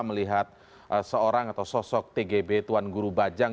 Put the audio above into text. melihat seorang atau sosok tgb tuan guru bajang